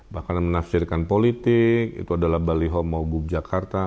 bahkan yang menafsirkan politik itu adalah baliho maugub jakarta